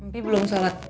pi belum sobat